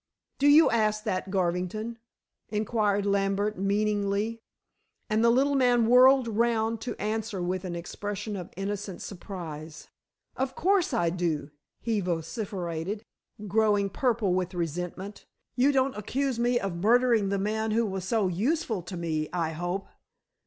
"Do you ask that, Garvington?" inquired Lambert meaningly, and the little man whirled round to answer with an expression of innocent surprise. "Of course I do," he vociferated, growing purple with resentment. "You don't accuse me of murdering the man who was so useful to me, I hope?"